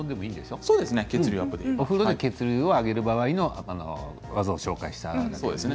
お風呂で血流を上げる場合の技を紹介したんですよね。